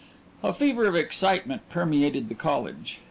A fever of excitement permeated the college.